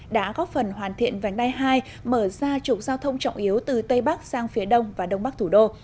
đã góp phần hoàn thiện vành đai hai mở ra trục giao thông trọng yếu từ tây bắc sang phía đông và đông bắc thủ đô